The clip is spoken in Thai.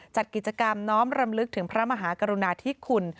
จัดกิจกรรมน้อมรำลึกถึงพระมหากรุณาธิคุณ